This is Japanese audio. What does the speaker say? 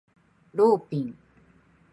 ローピン